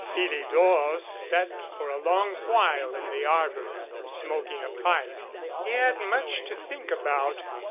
Philidor sat for a long while in the arbor smoking a pipe. He had much to think about.